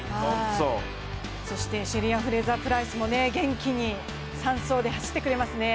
シェリーアン・フレイザー・プライスも元気に３走で走ってくれますね。